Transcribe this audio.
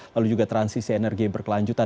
lalu juga transisi energi berkelanjutan